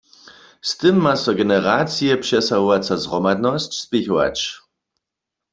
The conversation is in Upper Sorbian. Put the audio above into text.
Z tym ma so generacije přesahowaca zhromadnosć spěchować.